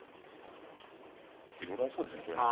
いろいろありそうですねこれね。